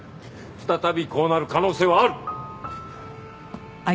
再びこうなる可能性はある。